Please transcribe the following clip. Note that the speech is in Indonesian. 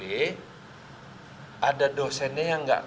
saya ada dosennya yang berkontribusi